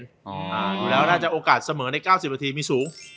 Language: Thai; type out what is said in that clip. อยู่แล้วน่าจะโอกาสเสมอใน๙๐นาทีมีสูง